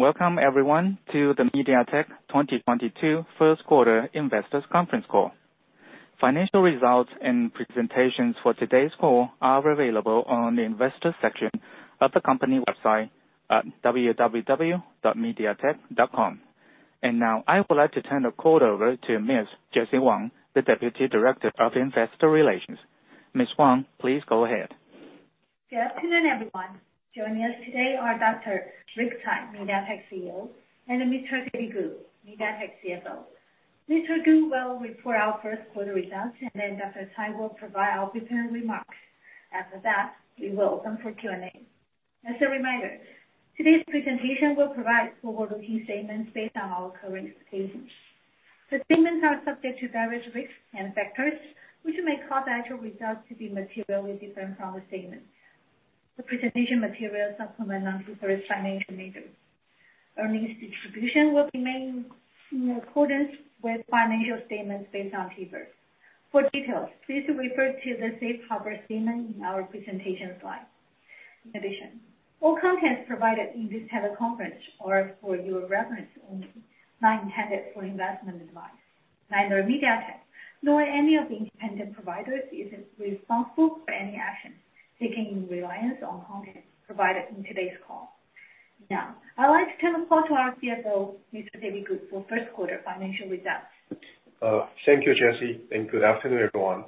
Welcome everyone to the MediaTek 2022 first quarter investors conference call. Financial results and presentations for today's call are available on the investor section of the company website at www.mediatek.com. Now I would like to turn the call over to Miss Jessie Wang, the Deputy Director of Investor Relations. Ms. Wang, please go ahead. Good afternoon, everyone. Joining us today are Dr. Rick Tsai, MediaTek CEO, and Mr. David Ku, MediaTek CFO. Mr. Ku will report our first quarter results, and then Dr. Tsai will provide opening remarks. After that, we will open for Q&A. As a reminder, today's presentation will provide forward-looking statements based on our current expectations. The statements are subject to various risks and factors, which may cause actual results to be materially different from the statements. The presentation materials supplemental non-GAAP financial measures. Earnings distribution will remain in accordance with financial statements based on TIFRS. For details, please refer to the safe harbor statement in our presentation slide. In addition, all content provided in this teleconference are for your reference only, not intended for investment advice. Neither MediaTek nor any of the independent providers is responsible for any actions taken in reliance on content provided in today's call. Now, I like to turn the call to our CFO, Mr. David Ku, for first quarter financial results. Thank you, Jesse, and good afternoon, everyone.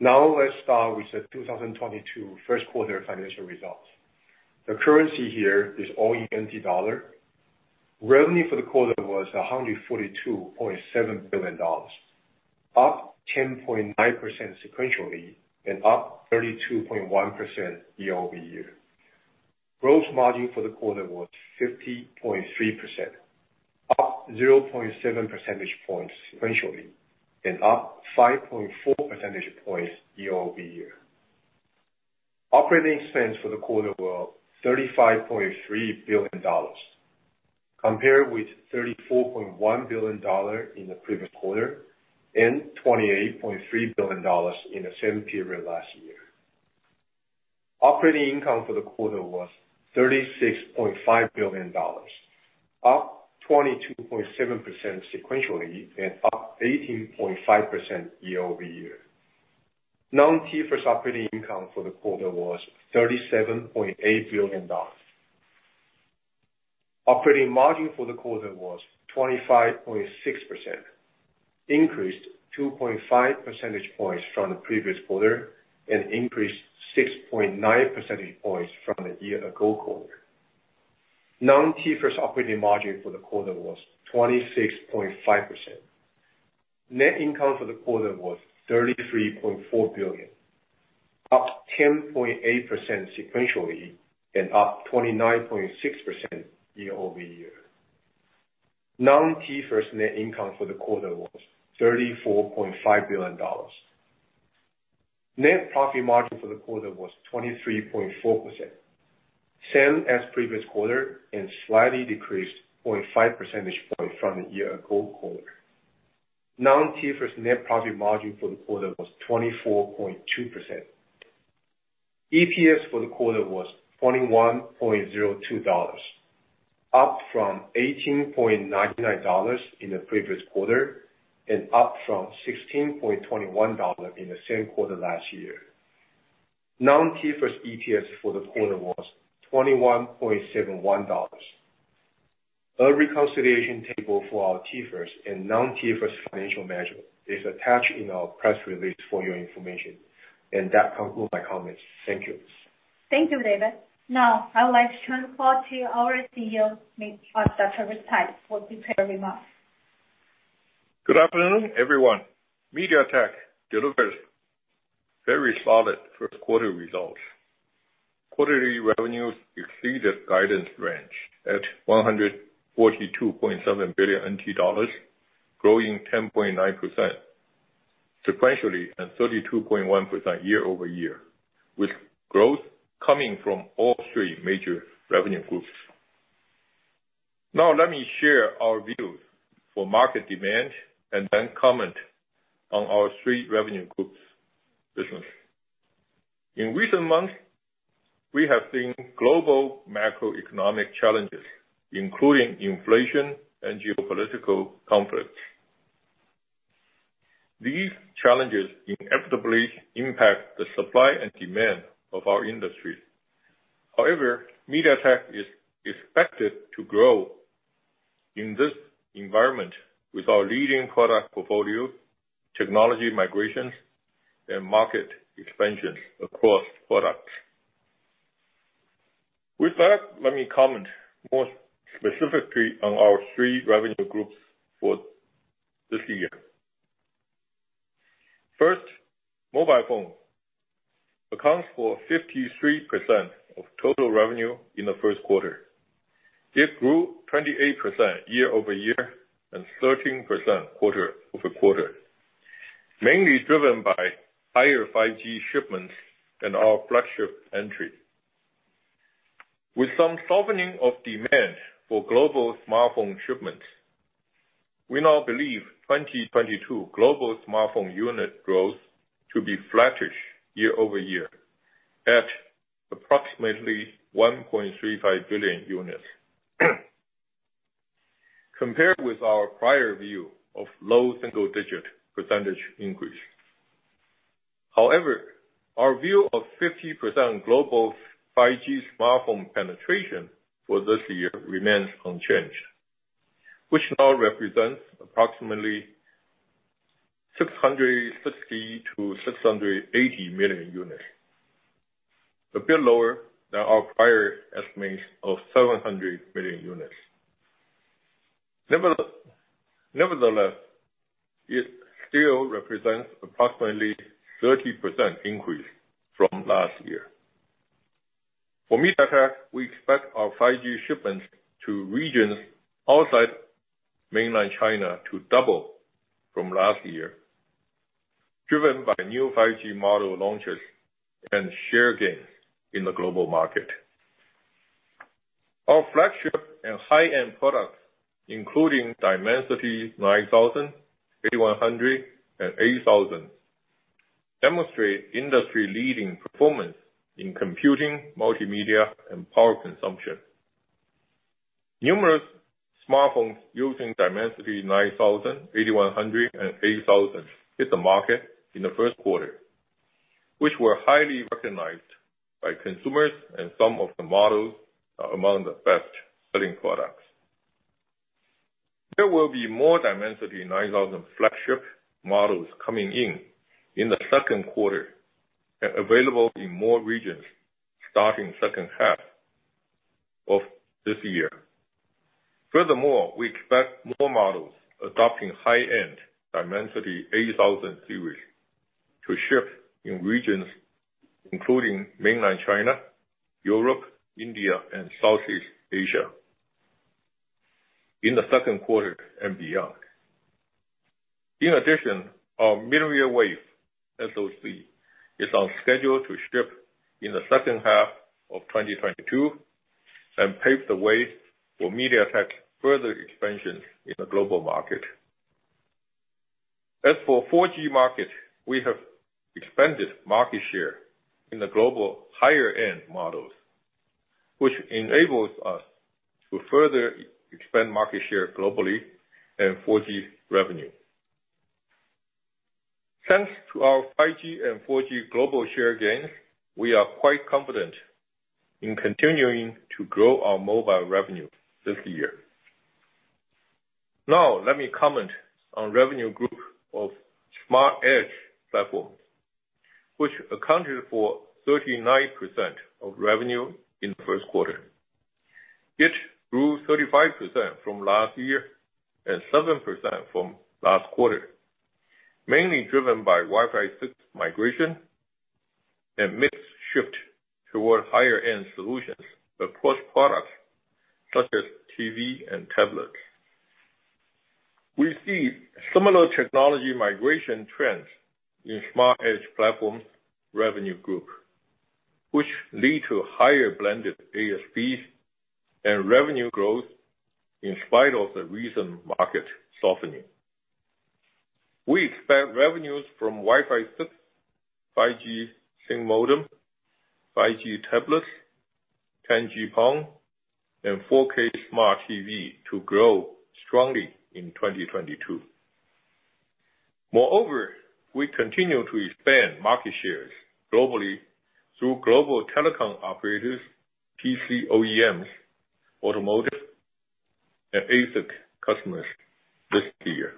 Now let's start with the 2022 first quarter financial results. The currency here is all in NT dollar. Revenue for the quarter was 142.7 billion dollars, up 10.9% sequentially, and up 32.1% year-over-year. Gross margin for the quarter was 50.3%, up 0.7 percentage points sequentially, and up 5.4 percentage points year-over-year. Operating expense for the quarter were 35.3 billion dollars, compared with 34.1 billion dollars in the previous quarter, and 28.3 billion dollars in the same period last year. Operating income for the quarter was 36.5 billion dollars, up 22.7% sequentially, and up 18.5% year-over-year. Non-TIFRS operating income for the quarter was 37.8 billion dollars. Operating margin for the quarter was 25.6%, increased 2.5 percentage points from the previous quarter, and increased 6.9 percentage points from the year ago quarter. Non-TIFRS operating margin for the quarter was 26.5%. Net income for the quarter was 33.4 billion, up 10.8% sequentially, and up 29.6% year-over-year. Non-TIFRS net income for the quarter was 34.5 billion dollars. Net profit margin for the quarter was 23.4%, same as previous quarter and slightly decreased 0.5 percentage point from the year ago quarter. Non-TIFRS net profit margin for the quarter was 24.2%. EPS for the quarter was 21.02 dollars, up from 18.99 dollars in the previous quarter and up from 16.21 dollars in the same quarter last year. Non-TIFRS EPS for the quarter was 21.71 dollars. A reconciliation table for our TIFRS and non-TIFRS financial measure is attached in our press release for your information. That concludes my comments. Thank you. Thank you, David. Now, I would like to turn the call to our CEO, Dr. Rick Tsai, for prepared remarks. Good afternoon, everyone. MediaTek delivers very solid first quarter results. Quarterly revenues exceeded guidance range at 142.7 billion NT dollars, growing 10.9% sequentially and 32.1% year-over-year, with growth coming from all three major revenue groups. Now let me share our views for market demand and then comment on our three revenue groups business. In recent months, we have seen global macroeconomic challenges, including inflation and geopolitical conflicts. These challenges inevitably impact the supply and demand of our industry. However, MediaTek is expected to grow in this environment with our leading product portfolio, technology migrations, and market expansion across products. With that, let me comment more specifically on our three revenue groups for this year. First, mobile phone accounts for 53% of total revenue in the first quarter. It grew 28% year-over-year and 13% quarter-over-quarter, mainly driven by higher 5G shipments and our flagship entry. With some softening of demand for global smartphone shipments. We now believe 2022 global smartphone unit growth to be flattish year-over-year at approximately 1.35 billion units. Compared with our prior view of low single-digit percentage increase. However, our view of 50% global 5G smartphone penetration for this year remains unchanged, which now represents approximately 660-680 million units. A bit lower than our prior estimates of 700 million units. Nevertheless, it still represents approximately 30% increase from last year. For MediaTek, we expect our 5G shipments to regions outside mainland China to double from last year, driven by new 5G model launches and share gains in the global market. Our flagship and high-end products, including Dimensity 9000, 8100, and 8000, demonstrate industry-leading performance in computing, multimedia, and power consumption. Numerous smartphones using Dimensity 9000, 8100, and 8000 hit the market in the first quarter, which were highly recognized by consumers, and some of the models are among the best-selling products. There will be more Dimensity 9000 flagship models coming in the second quarter and available in more regions starting second half of this year. Furthermore, we expect more models adopting high-end Dimensity 8000 series to ship in regions including mainland China, Europe, India, and Southeast Asia in the second quarter and beyond. In addition, our mmWave SoC is on schedule to ship in the second half of 2022 and pave the way for MediaTek further expansion in the global market. As for 4G market, we have expanded market share in the global higher end models, which enables us to further expand market share globally and 4G revenue. Thanks to our 5G and 4G global share gains, we are quite confident in continuing to grow our mobile revenue this year. Now let me comment on revenue group of Smart Edge Platforms, which accounted for 39% of revenue in the first quarter. It grew 35% from last year and 7% from last quarter, mainly driven by Wi-Fi 6 migration and mix shift towards higher-end solutions across products such as TV and tablets. We see similar technology migration trends in Smart Edge Platforms revenue group, which lead to higher blended ASPs and revenue growth in spite of the recent market softening. We expect revenues from Wi-Fi 6, 5G SoC modem, 5G tablets, 10G PON, and 4K smart TV to grow strongly in 2022. Moreover, we continue to expand market shares globally through global telecom operators, PC OEMs, automotive, and ASIC customers this year.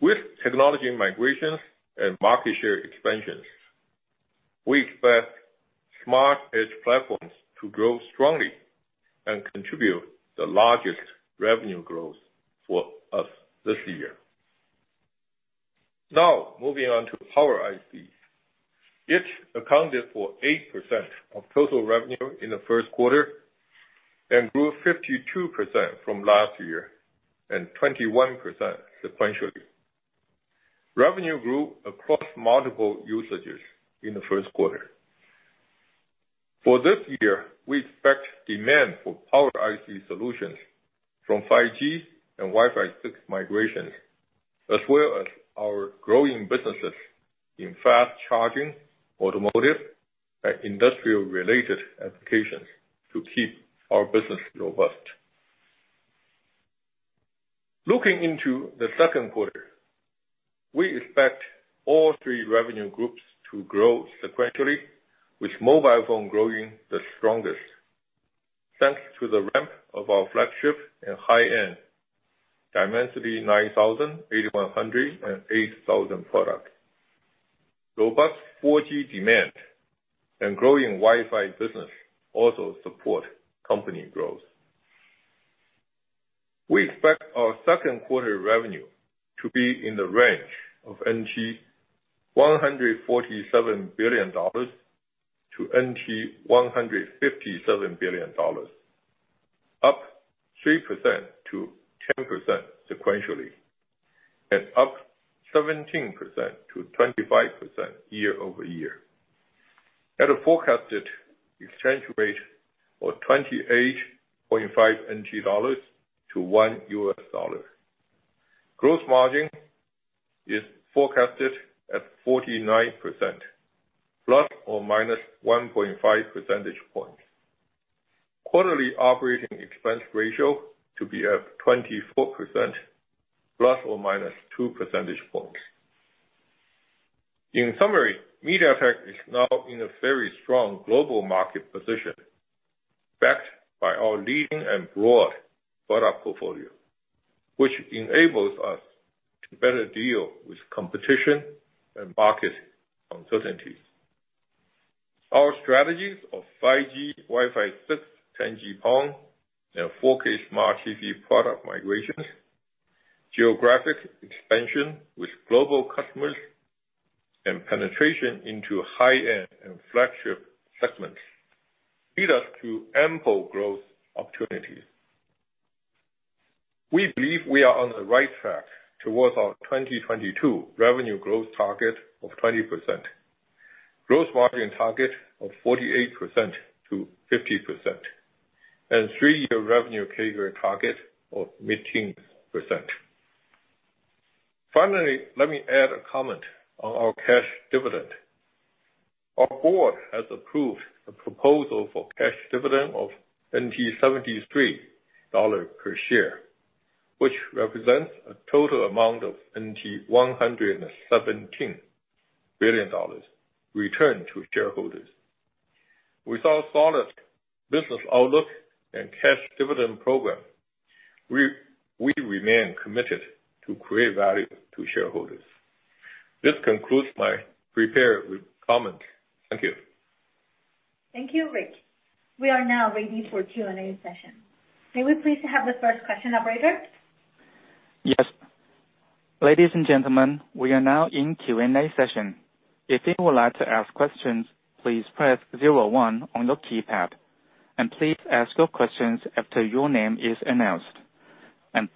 With technology migrations and market share expansions, we expect Smart Edge Platforms to grow strongly and contribute the largest revenue growth for us this year. Now moving on to power ICs. It accounted for 8% of total revenue in the first quarter and grew 52% from last year and 21% sequentially. Revenue grew across multiple usages in the first quarter. For this year, we expect demand for power IC solutions from 5G and Wi-Fi 6 migrations, as well as our growing businesses in fast charging, automotive, and industrial-related applications to keep our business robust. Looking into the second quarter, we expect all three revenue groups to grow sequentially, with mobile phone growing the strongest. Thanks to the ramp of our flagship and high-end Dimensity 9000, 8100, and 8000 product. Robust 4G demand and growing Wi-Fi business also support company growth. We expect our second quarter revenue to be in the range of 147 billion NT dollars to 157 billion NT dollars, up 3%-10% sequentially and up 17%-25% year-over-year. At a forecasted exchange rate of 28.5 dollars to $1. Gross margin is forecasted at 49%, ±1.5 percentage points. Quarterly operating expense ratio to be at 24%, ±2 percentage points. In summary, MediaTek is now in a very strong global market position, backed by our leading and broad product portfolio, which enables us to better deal with competition and market uncertainties. Our strategies of 5G, Wi-Fi 6, 10G PON, and 4K smart TV product migrations, geographic expansion with global customers, and penetration into high-end and flagship segments lead us to ample growth opportunities. We believe we are on the right track towards our 2022 revenue growth target of 20%, gross margin target of 48%-50%, and three-year revenue CAGR target of mid-teens percent. Finally, let me add a comment on our cash dividend. Our board has approved a proposal for cash dividend of TWD 73 per share, which represents a total amount of TWD 117 billion returned to shareholders. With our solid business outlook and cash dividend program, we remain committed to create value to shareholders. This concludes my prepared remarks. Thank you. Thank you, Rick. We are now ready for Q&A session. May we please have the first question, operator? Yes. Ladies and gentlemen, we are now in Q&A session. If you would like to ask questions, please press zero one on your keypad. Please ask your questions after your name is announced.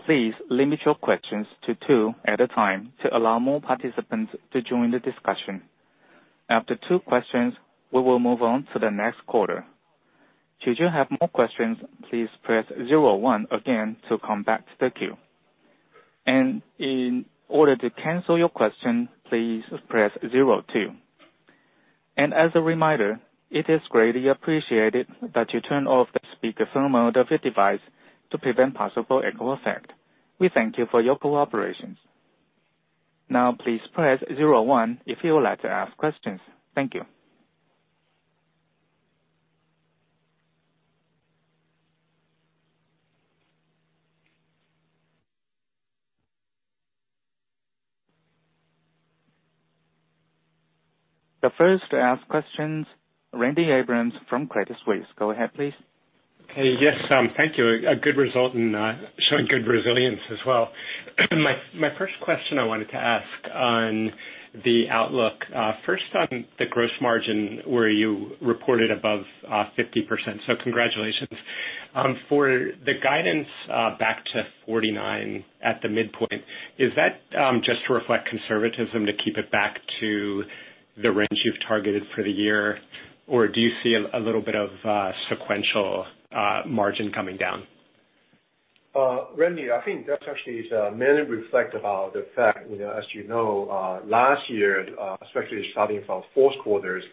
Please limit your questions to two at a time to allow more participants to join the discussion. After two questions, we will move on to the next caller. Should you have more questions, please press zero one again to come back to the queue. In order to cancel your question, please press zero two. As a reminder, it is greatly appreciated that you turn off the speakerphone mode of your device to prevent possible echo effect. We thank you for your cooperation. Now please press zero one if you would like to ask questions. Thank you. The first to ask questions, Randy Abrams from Credit Suisse. Go ahead, please. Okay. Yes, thank you. A good result and showing good resilience as well. My first question I wanted to ask on the outlook. First on the gross margin where you reported above 50%, so congratulations. For the guidance, back to 49% at the midpoint, is that just to reflect conservatism to keep it back to the range you've targeted for the year, or do you see a little bit of sequential margin coming down? Randy, I think that actually is mainly reflect about the fact, you know, as you know, last year, especially starting from fourth quarters,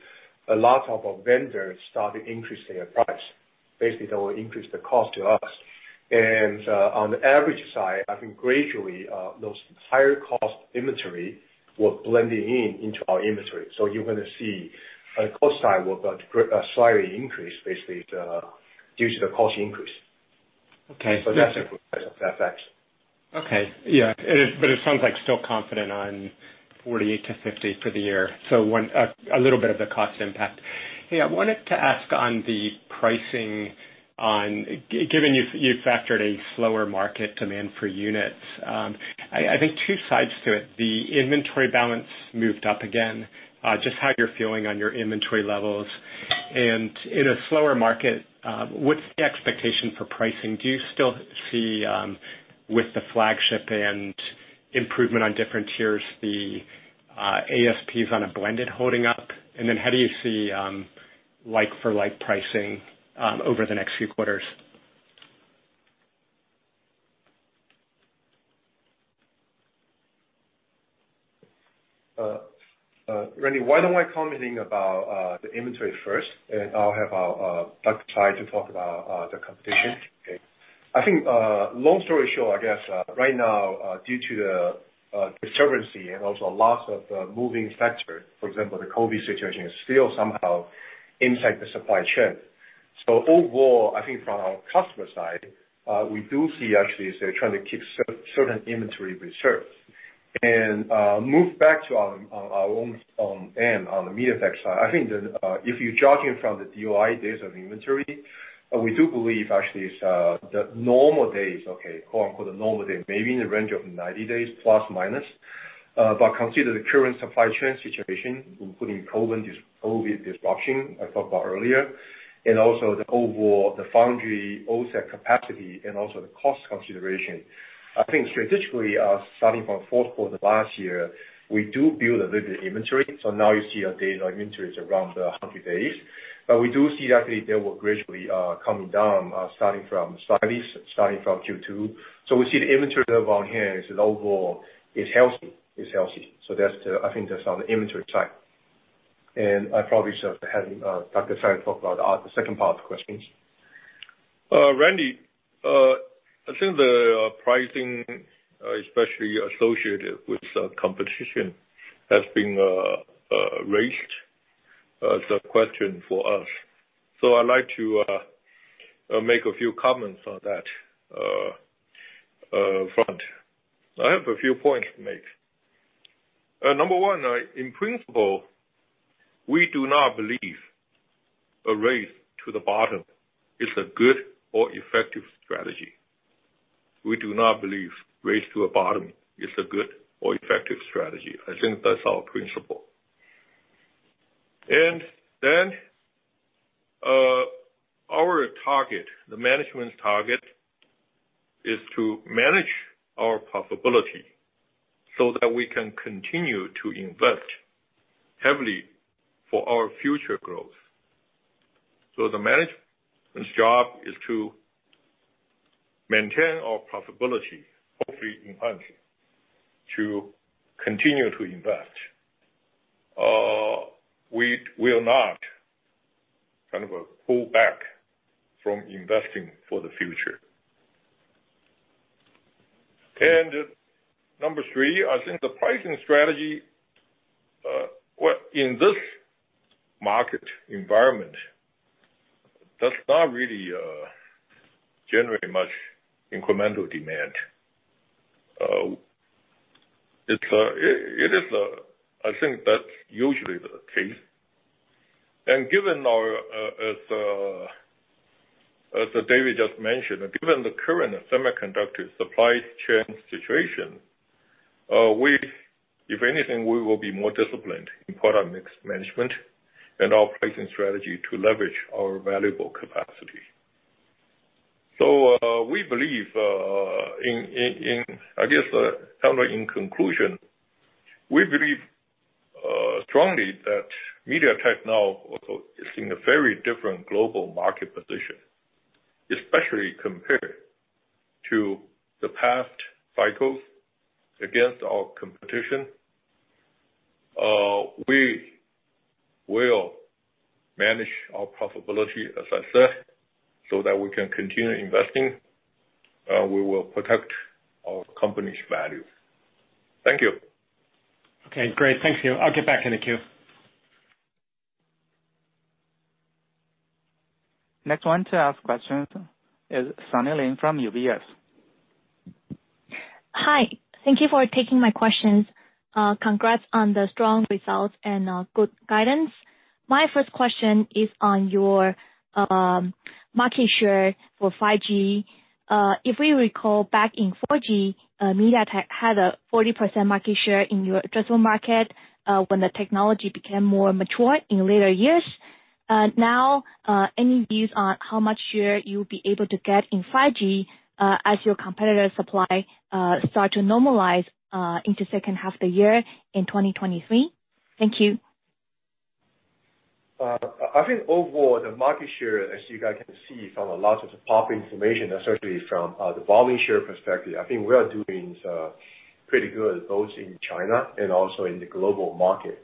a lot of our vendors started increasing their price, basically that will increase the cost to us. On the average side, I think gradually, those higher cost inventory were blending in into our inventory. You're gonna see our cost side will slightly increase basically due to the cost increase. Okay. That's it. That's actually it. Okay. Yeah. It sounds like still confident on 48-50 for the year. When a little bit of the cost impact. Hey, I wanted to ask on the pricing on given you've factored a slower market demand for units. I think two sides to it, the inventory balance moved up again, just how you're feeling on your inventory levels. In a slower market, what's the expectation for pricing? Do you still see, with the flagship and improvement on different tiers, the ASPs on a blended holding up? Then how do you see like-for-like pricing over the next few quarters? Randy, why don't I comment about the inventory first, and I'll have our Dr. Tsai to talk about the competition. Okay. I think long story short, I guess right now due to the disturbance and also lots of moving factors, for example, the COVID situation is still somehow impact the supply chain. Overall, I think from our customer side, we do see actually is they're trying to keep certain inventory reserved. Move back to our own end on the MediaTek side. I think, if you're judging from the DOI, days of inventory, we do believe actually is the normal days, okay, quote-unquote, the normal day, maybe in the range of 90 days, plus minus. Consider the current supply chain situation, including COVID disruption I talked about earlier, and also the overall, the foundry OSAT capacity and also the cost consideration. I think strategically, starting from fourth quarter last year, we do build a little bit of inventory. Now you see our days of inventory is around 100 days. We do see that they will gradually coming down, slightly starting from Q2. We see the inventory level here is overall healthy. That's the, I think that's on the inventory side. I probably should have Dr. Tsai talk about the second part of the questions. Randy, I think the pricing, especially associated with competition has been raised as a question for us. I'd like to make a few comments on that front. I have a few points to make. Number one, in principle, we do not believe a race to the bottom is a good or effective strategy. I think that's our principle. Our target, the management's target is to manage our profitability so that we can continue to invest heavily for our future growth. The management's job is to maintain our profitability, hopefully enhancing, to continue to invest. We will not kind of pull back from investing for the future. Number three, I think the pricing strategy, well, in this market environment, that's not really generating much incremental demand. It's it is, I think that's usually the case. Given our, as David just mentioned, given the current semiconductor supply chain situation, we if anything, we will be more disciplined in product mix management and our pricing strategy to leverage our valuable capacity. We believe in, I guess, kind of in conclusion, we believe strongly that MediaTek now is in a very different global market position, especially compared to the past cycles against our competition. We will manage our profitability, as I said, so that we can continue investing. We will protect our company's value. Thank you. Okay, great. Thank you. I'll get back in the queue. Next one to ask questions is Sunny Lin from UBS. Hi. Thank you for taking my questions. Congrats on the strong results and good guidance. My first question is on your market share for 5G. If we recall back in 4G, MediaTek had a 40% market share in your addressable market when the technology became more mature in later years. Now, any views on how much share you'll be able to get in 5G as your competitor supply start to normalize into second half of the year in 2023? Thank you. I think overall the market share, as you guys can see from a lot of the public information, especially from the volume share perspective, I think we are doing pretty good, both in China and also in the global market.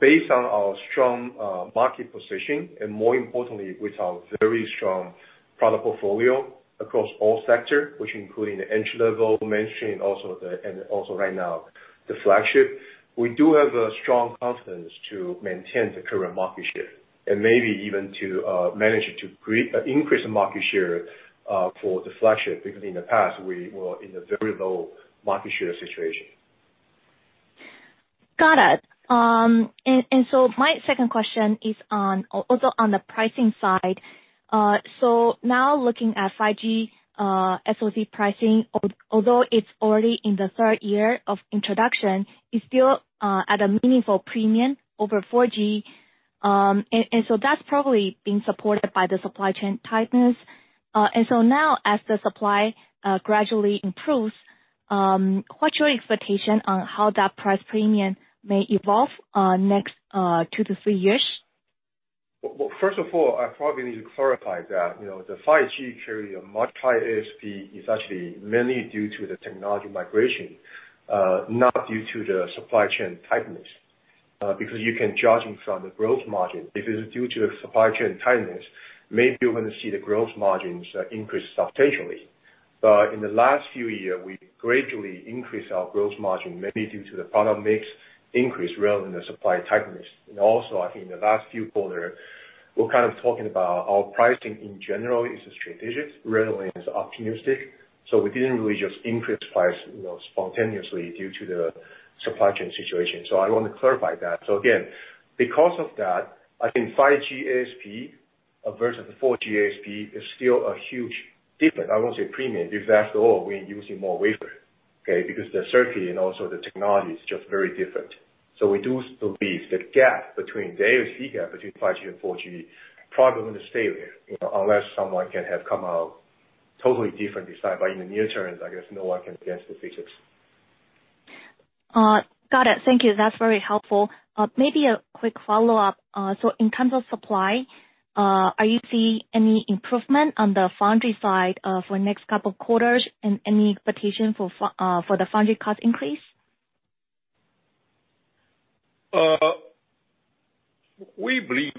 Based on our strong market position and more importantly, with our very strong product portfolio across all sector, which including the entry level, mid-tier, and also right now the flagship, we do have a strong confidence to maintain the current market share and maybe even to manage to create an increased market share for the flagship, because in the past we were in a very low market share situation. Got it. My second question is on also on the pricing side. Now looking at 5G SoC pricing, although it's already in the third year of introduction, is still at a meaningful premium over 4G. That's probably being supported by the supply chain tightness. Now as the supply gradually improves, what's your expectation on how that price premium may evolve next two to three years? Well, first of all, I probably need to clarify that, you know, the 5G carry a much higher ASP is actually mainly due to the technology migration, not due to the supply chain tightness. Because you can judge from the gross margin. If it's due to the supply chain tightness, maybe you're gonna see the gross margins increase substantially. In the last few years, we gradually increased our gross margin, mainly due to the product mix increase rather than the supply tightness. Also, I think in the last few quarters, we're kind of talking about our pricing in general is strategic rather than is optimistic. We didn't really just increase price, you know, spontaneously due to the supply chain situation. I want to clarify that. Again, because of that, I think 5G ASP versus the 4G ASP is still a huge difference. I won't say premium, because after all, we're using more wafer, okay? Because the circuit and also the technology is just very different. We do still believe the gap between, the ASP gap between 5G and 4G probably gonna stay there, you know, unless someone can have come out totally different design. In the near term, I guess no one can against the physics. Got it. Thank you. That's very helpful. Maybe a quick follow-up. So in terms of supply, are you seeing any improvement on the foundry side, for next couple quarters and any expectation for the foundry cost increase? We believe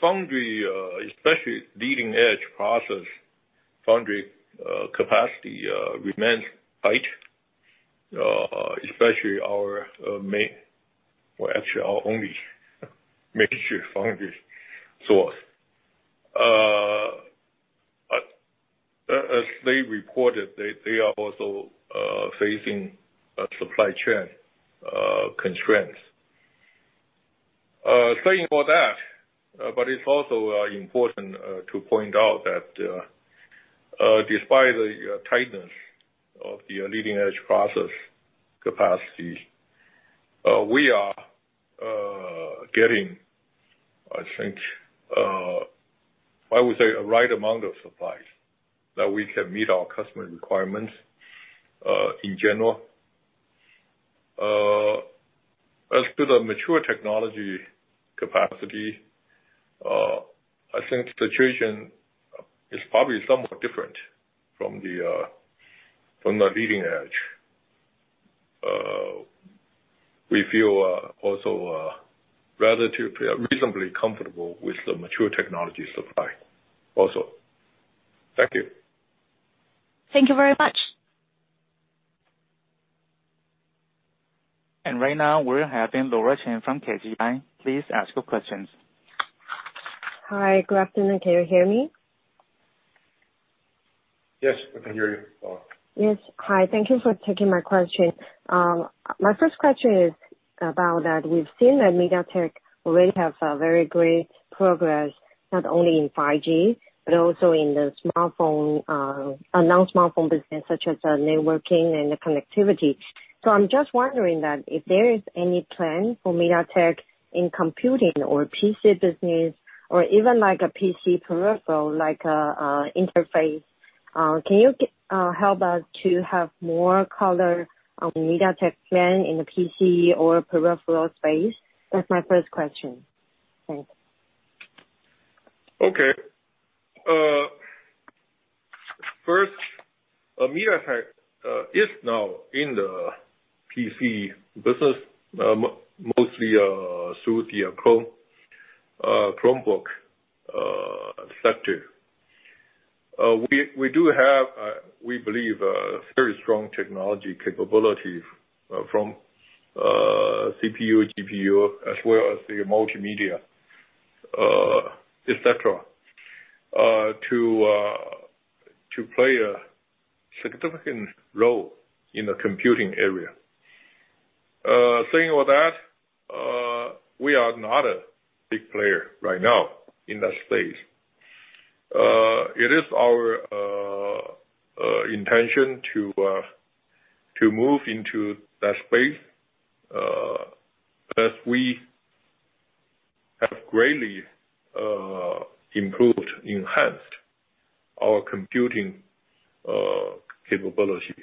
foundry, especially leading-edge process foundry capacity, remains tight, especially our main or actually our only main foundry source. As they reported, they are also facing supply chain constraints. Saying all that, but it's also important to point out that despite the tightness of the leading-edge process capacity, we are getting, I think, I would say the right amount of supplies that we can meet our customer requirements in general. As to the mature technology capacity, I think the situation is probably somewhat different from the leading edge. We feel also relatively or reasonably comfortable with the mature technology supply also. Thank you. Thank you very much. Right now we're having Laura Chen from KGI Securities. Please ask your questions. Hi. Good afternoon. Can you hear me? Yes, we can hear you, Laura. Yes. Hi. Thank you for taking my question. My first question is about that we've seen that MediaTek already have very great progress, not only in 5G but also in the smartphone, non-smartphone business such as the networking and the connectivity. I'm just wondering that if there is any plan for MediaTek in computing or PC business or even like a PC peripheral, like a interface, can you help us to have more color on MediaTek plan in the PC or peripheral space? That's my first question. Thanks. First, MediaTek is now in the PC business, mostly through the Chromebook sector. We do have, we believe, a very strong technology capability from CPU, GPU, as well as the multimedia, et cetera, to play a significant role in the computing area. Saying all that, we are not a big player right now in that space. It is our intention to move into that space, as we have greatly improved, enhanced our computing capability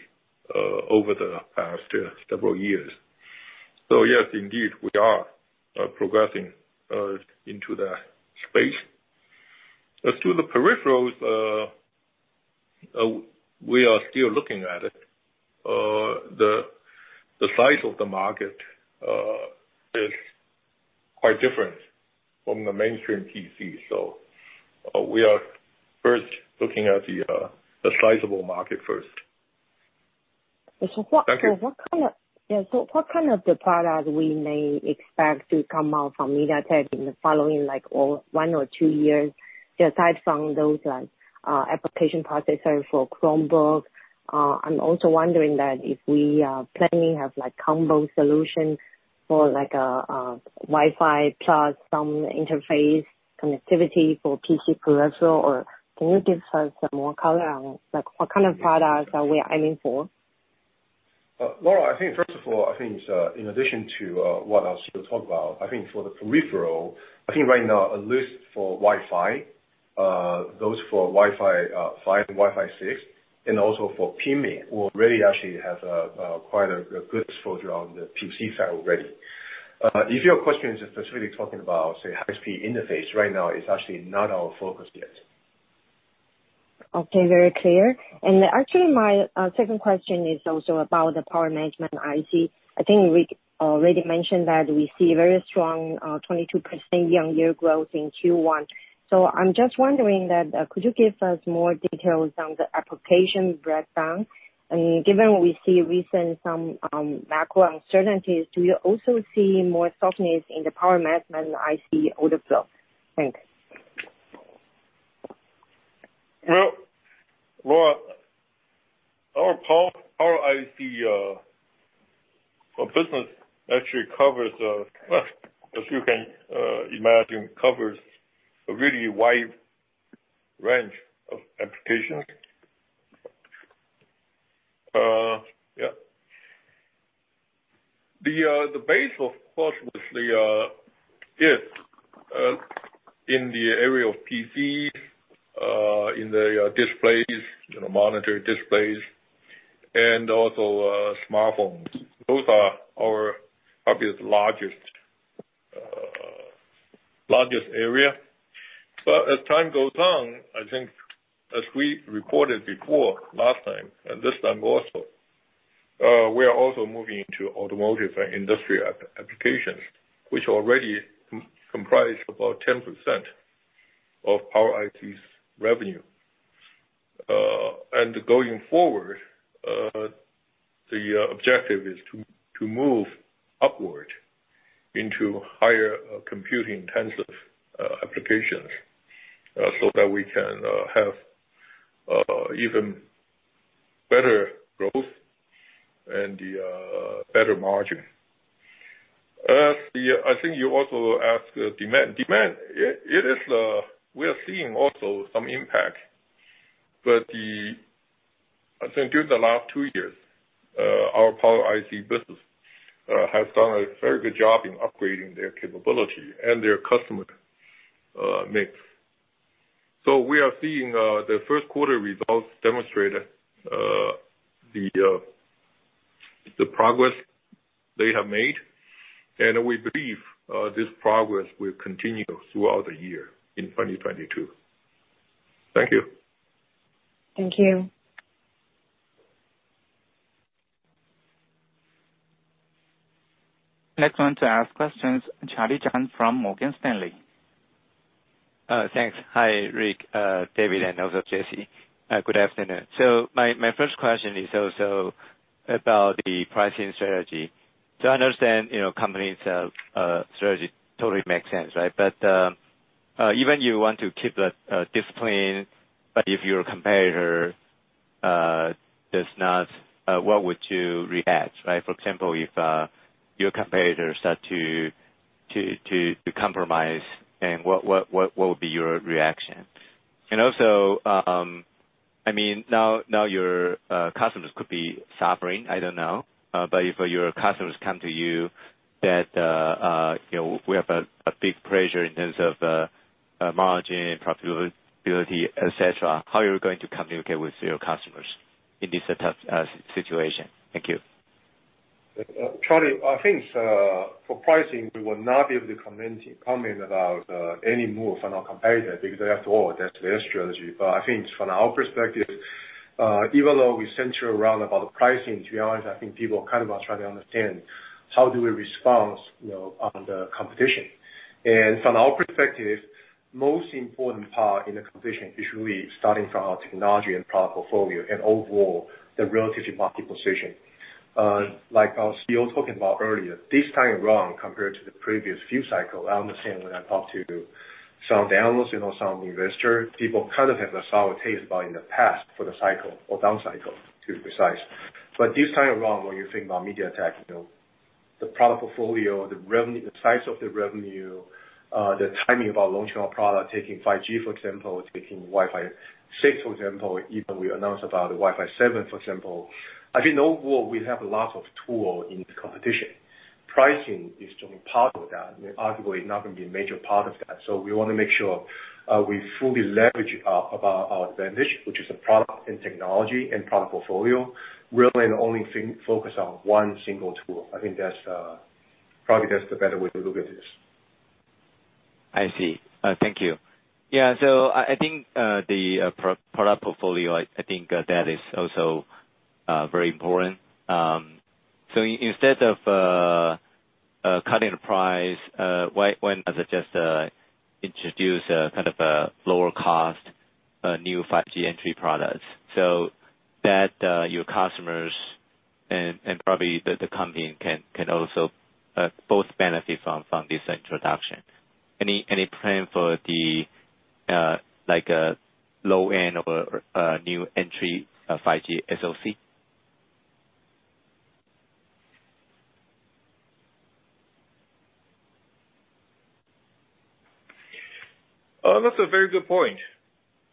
over the past several years. Yes, indeed, we are progressing into that space. As to the peripherals, we are still looking at it. The size of the market is quite different from the mainstream PC. We are first looking at the sizable market first. So what- Thank you. What kind of the product we may expect to come out from MediaTek in the following, like, or one or two years, aside from those, like, application processor for Chromebook? I'm also wondering that if we are planning have like combo solution for like, Wi-Fi plus some interface connectivity for PC peripheral? Or can you give us some more color on, like, what kind of products are we aiming for? Laura, I think first of all, I think it's in addition to what else you talked about. I think for the peripheral, I think right now at least for Wi-Fi 5 and Wi-Fi 6, and also for PMIC, we already actually have quite a good exposure on the PC side already. If your question is specifically talking about, say, high-speed interface, right now it's actually not our focus yet. Okay, very clear. Actually, my second question is also about the power management IC. I think we already mentioned that we see very strong 22% year-on-year growth in Q1. I'm just wondering, could you give us more details on the application breakdown? Given we see some recent macro uncertainties, do you also see more softness in the power management IC order flow? Thanks. Our business actually covers, as you can imagine, covers a really wide range of applications. The base of course is in the area of PC, in the displays, you know, monitor displays and also smartphones. Those are our obvious largest area. As time goes on, I think as we reported before last time, and this time also, we are also moving into automotive and industrial applications, which already comprise about 10% of our IoT's revenue. Going forward, the objective is to move upward into higher computing intensive applications, so that we can have even better growth and better margin. I think you also asked demand. Demand, it is, we are seeing also some impact. I think during the last two years, our power IC business has done a very good job in upgrading their capability and their customer mix. We are seeing the first quarter results demonstrated the progress they have made, and we believe this progress will continue throughout the year in 2022. Thank you. Thank you. Next one to ask questions, Charlie Chan from Morgan Stanley. Thanks. Hi, Rick, David and also Jesse. Good afternoon. My first question is also about the pricing strategy. I understand, you know, company's strategy totally makes sense, right? Even you want to keep a discipline, but if your competitor does not, what would you react, right? For example, if your competitor start to compromise and what would be your reaction? I mean, now your customers could be suffering, I don't know. If your customers come to you that you know, we have a big pressure in terms of margin and profitability, et cetera, how are you going to communicate with your customers in this tough situation? Thank you. Charlie, I think, for pricing, we will not be able to comment about any move from our competitor because after all, that's their strategy. But I think from our perspective, even though we center around about the pricing, to be honest, I think people kind of are trying to understand how do we respond, you know, on the competition. And from our perspective, most important part in the competition is really starting from our technology and product portfolio and overall the relative market position. Like I was still talking about earlier, this time around, compared to the previous few cycle, I understand when I talk to some analysts, you know, some investor, people kind of have a sour taste about in the past for the cycle or down cycle to be precise. This time around when you think about MediaTek, you know, the product portfolio, the revenue, the size of the revenue, the timing of our long tail product, taking 5G for example, taking Wi-Fi 6 for example, even we announced about Wi-Fi 7 for example. I think overall we have a lot of tool in this competition. Pricing is only part of that, and arguably not gonna be a major part of that. We wanna make sure, we fully leverage up our our advantage, which is the product and technology and product portfolio, rather than only focus on one single tool. I think that's probably the better way to look at this. I see. Thank you. Yeah. I think the product portfolio is also very important. Instead of cutting the price, why not just introduce a kind of a lower cost new 5G entry product, so that your customers and probably the company can also both benefit from this introduction. Any plan for the like a low-end or a new entry 5G SoC? That's a very good point.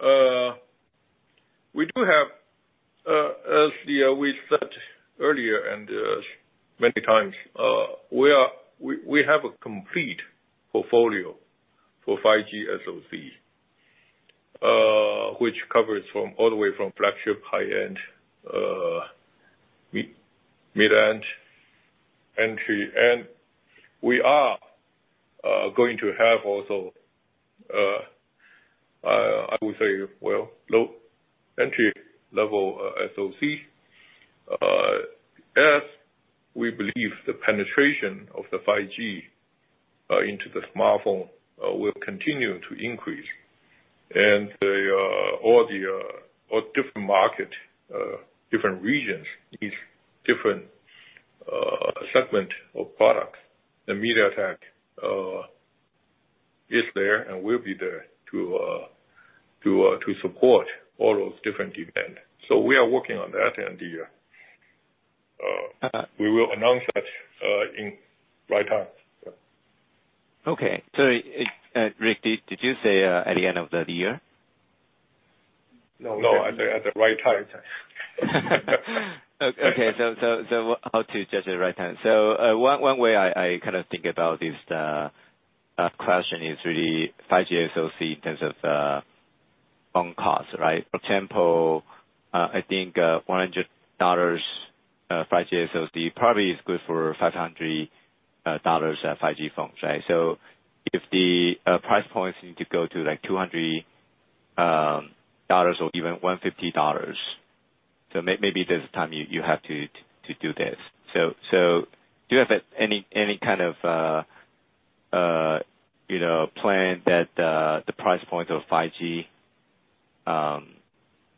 We do have, as we said earlier and many times, we have a complete portfolio for 5G SoC, which covers from all the way from flagship high-end, mid-range entry. We are going to have also, I would say, well, low entry level, SoC, as we believe the penetration of the 5G into the smartphone will continue to increase. All different markets, different regions, each different segment of products, MediaTek is there and will be there to support all those different demand. We are working on that end year, we will announce that at the right time. Yeah. Okay. Sorry, Rick, did you say at the end of the year? No, no. At the right time. How to judge the right time. One way I kind of think about this question is really 5G SoC in terms of costs, right? For example, I think 100 dollars 5G SoC probably is good for 500 dollars 5G phones, right? If the price points need to go to like 200 dollars or even 150 dollars, maybe this time you have to do this. Do you have any kind of you know plan that the price point of 5G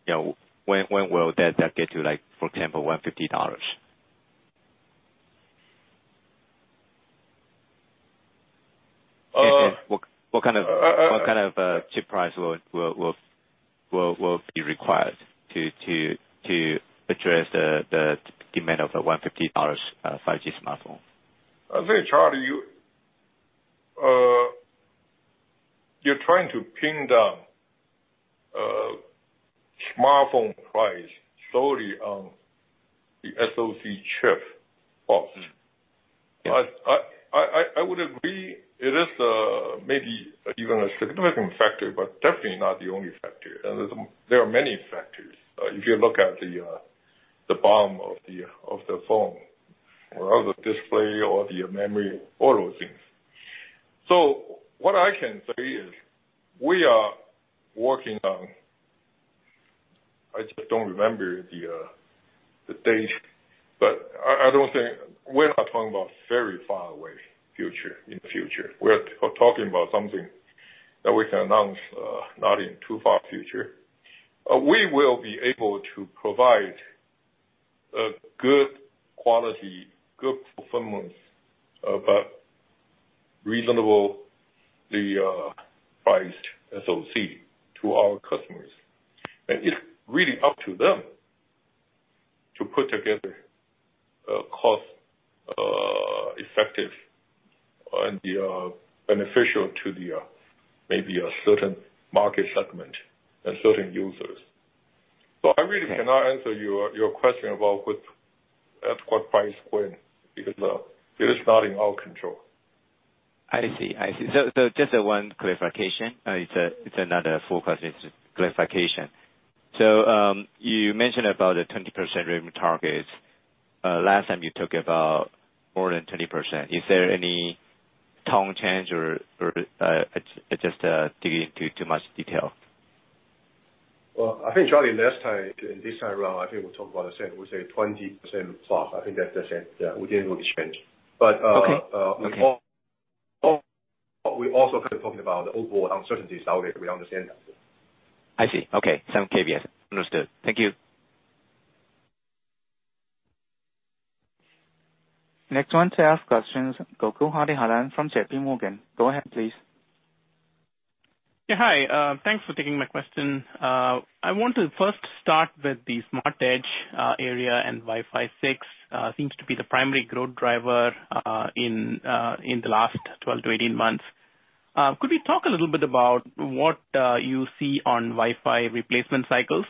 you know when will that get to like for example 150 dollars? Uh- What kind of chip price will be required to address the demand of a 150 dollars 5G smartphone? I think, Charlie, you're trying to pin down smartphone price solely on the SoC chip cost. I would agree it is maybe even a significant factor but definitely not the only factor. There are many factors. If you look at the BOM of the phone or other display or the memory, all those things. What I can say is we are working on. I just don't remember the date, but I don't think. We're not talking about very far away future, in the future. We are talking about something that we can announce, not in too far future. We will be able to provide a good quality, good performance, but reasonably priced SoC to our customers. It's really up to them to put together a cost effective and beneficial to the maybe a certain market segment and certain users. I really cannot answer your question about at what price point, because it is not in our control. I see. Just one clarification. It's another full question. It's clarification. You mentioned about a 20% revenue targets. Last time you talked about more than 20%. Is there any tone change or just digging into too much detail? Well, I think, Charlie, last time and this time around, I think we talked about the same. We say +20%. I think that's the same. Yeah, we didn't really change. Okay. We also kind of talking about the overall uncertainties out there. We understand that. I see. Okay. Sounds good. Understood. Thank you. Next one to ask questions, Gokul Hariharan from JPMorgan. Go ahead, please. Yeah. Hi. Thanks for taking my question. I want to first start with the Smart Edge area, and Wi-Fi 6 seems to be the primary growth driver in the last 12-18 months. Could we talk a little bit about what you see on Wi-Fi replacement cycles?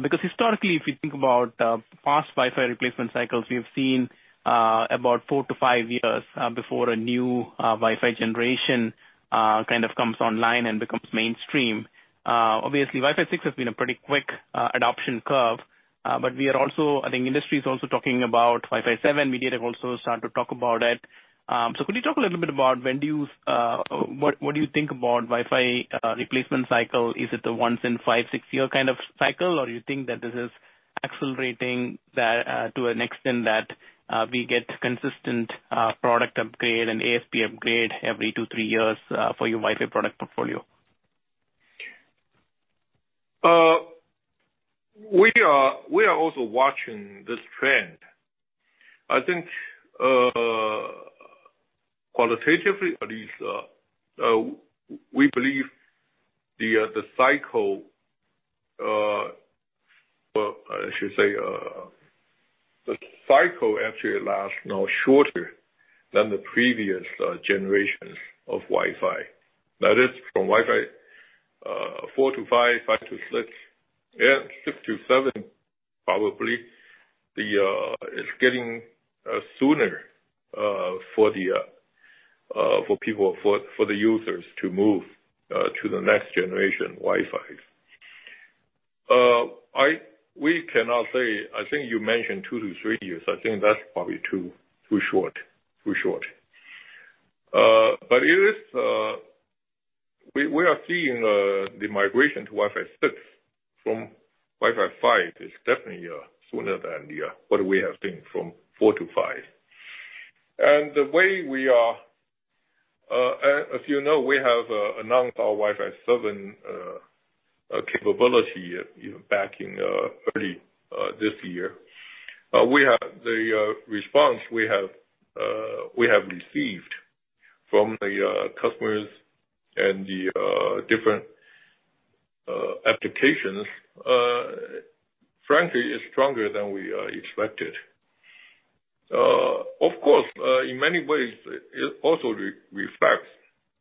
Because historically, if we think about past Wi-Fi replacement cycles, we've seen about four-five years before a new Wi-Fi generation kind of comes online and becomes mainstream. Obviously Wi-Fi 6 has been a pretty quick adoption curve. But we are also, I think industry is also talking about Wi-Fi 7. MediaTek has also started to talk about it. Could you talk a little bit about what do you think about Wi-Fi replacement cycle? Is it a once-in five-six-year kind of cycle? Or you think that this is accelerating to an extent that we get consistent product upgrade and ASP upgrade every two-three years for your Wi-Fi product portfolio? We are also watching this trend. I think, qualitatively at least, we believe the cycle, well, I should say, the cycle actually lasts now shorter than the previous generations of Wi-Fi. That is from Wi-Fi 4 to 5, 5 to 6, and 6 to 7, probably. It's getting sooner for the users to move to the next generation Wi-Fis. We cannot say. I think you mentioned two to three years. I think that's probably too short. It is, we are seeing the migration to Wi-Fi 6 from Wi-Fi 5 is definitely sooner than what we have seen from four to five. As you know, we have announced our Wi-Fi 7 capability, you know, back in early this year. The response we have received from the customers and the different applications, frankly, is stronger than we expected. Of course, in many ways it also reflects